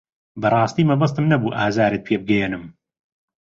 بەڕاستی مەبەستم نەبوو ئازارت پێ بگەیەنم.